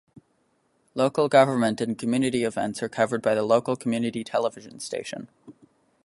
Local government and community events are covered by the local community television station.